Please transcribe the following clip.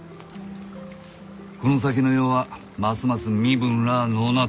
この先の世はますます身分らあのうなっていく。